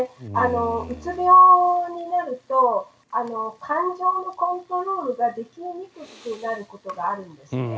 うつ病になると感情のコントロールができにくくなることがあるんですね。